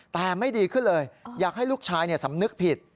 แต่ไม่ดีขึ้นเลยอยากให้ลูกชายสำนึกผิด